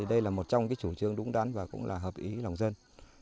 đây là một trong chủ trương đúng đắn và cũng là hợp ý lòng dân